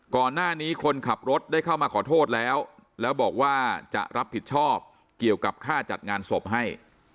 ก่อนหน้านี้คนขับรถได้เข้ามาขอโทษแล้วแล้วบอกว่าจะรับผิดชอบเกี่ยวกับค่าจัดงานศพให้